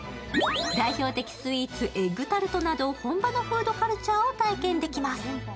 代表的スイーツ、エッグタルトなど本場のフードカルチャーを体験できます。